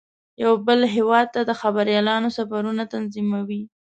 یو بل هیواد ته د خبریالانو سفرونه تنظیموي.